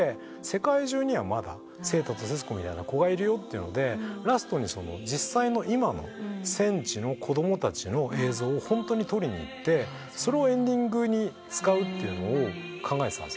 世界中にはまだ清太と節子みたいな子がいるよとラストに実際の今の戦地の子供たちの映像をホントに撮りに行ってそれをエンディングに使うと考えてたんです。